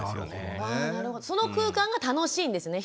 その空間が楽しいんですね